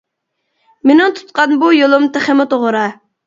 مېنىڭ تۇتقان بۇ يولۇم تېخىمۇ توغرا.